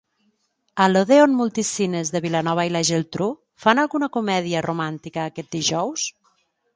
A l'Odeon Multicines de Vilanova i la Geltrú fan alguna comèdia romàntica aquest dijous?